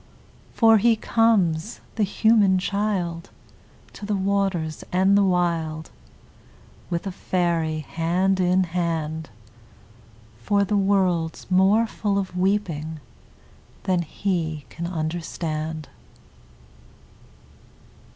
For he comes, the human child, To the waters and the wild With a faery, hand in hand, For the world's more full of weeping than he can understand.